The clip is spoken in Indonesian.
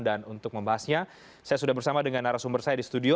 dan untuk membahasnya saya sudah bersama dengan narasumber saya di studio